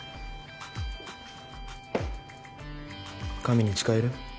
神に誓える？